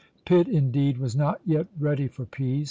Pitt, indeed, was not yet ready for peace.